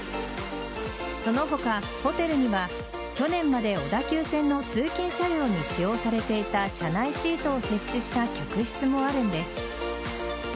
その他、ホテルには去年まで小田急線の通勤車両に使用されていた車内シートを設置した客室もあるんです。